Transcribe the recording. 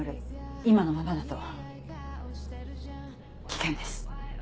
今のままだと危険です。